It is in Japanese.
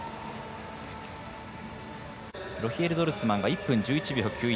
ロヒエル・ドルスマンが１分１１秒９１。